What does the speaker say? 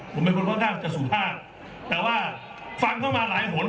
ผมเป็นคนค่อนข้างจะสุภาพแต่ว่าฟังเข้ามาหลายหน